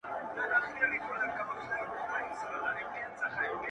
ه ياره تا زما شعر لوسته زه دي لــوســتم